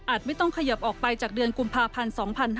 อาจไม่ต้องขยับออกไปจากเดือนกุมภาคภัณฑ์๒๕๖๒